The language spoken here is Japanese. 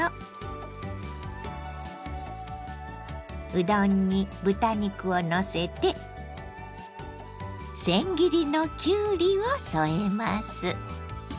うどんに豚肉をのせてせん切りのきゅうりを添えます。